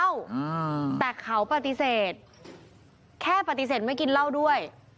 อ่าแต่เขาปฏิเสธแค่ปฏิเสธไม่กินเหล้าด้วย